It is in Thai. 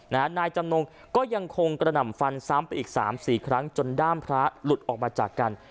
นายจำนงก็ยังคงกระหน่ำฟันซ้ำไปอีกสามสี่ครั้งจนด้ามพระหลุดออกมาจากกัน